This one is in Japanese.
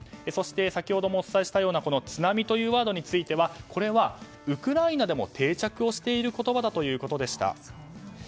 そして先ほどもお伝えしたような津波というワードについてはこれはウクライナでも定着している言葉だということでした。